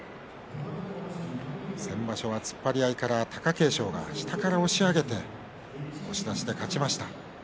先場所は突っ張り合いから貴景勝が下から押し上げて押し出しで勝ちました。